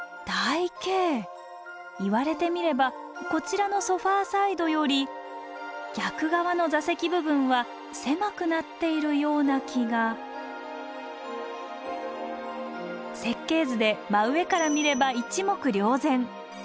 言われてみればこちらのソファーサイドより逆側の座席部分は狭くなっているような気が設計図で真上から見れば一目瞭然。